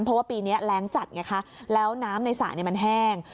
เพราะว่าปีนี้แรงจัดไงคะแล้วน้ำในสระมันแห้ง